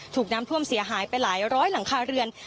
ถูกน้ำท่วมเสียหายไปหลายร้อยหลังคาเรือน